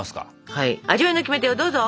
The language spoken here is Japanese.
はい味わいのキメテをどうぞ。